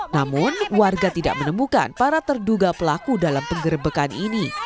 namun warga tidak menemukan para terduga pelaku dalam penggerbekan ini